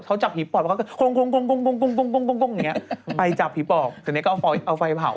ทีนี้ก็เอาไฟเผา